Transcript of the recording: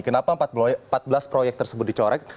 kenapa empat belas proyek tersebut dicoret